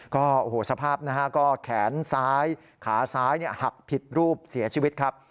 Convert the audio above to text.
โอ้โหสภาพนะฮะก็แขนซ้ายขาซ้ายหักผิดรูปเสียชีวิตครับ